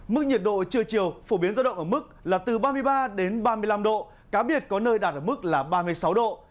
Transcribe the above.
mức nhiệt độ trưa chiều phổ biến ra động ở mức là từ ba mươi ba đến ba mươi năm độ cá biệt có nơi đạt ở mức là ba mươi sáu độ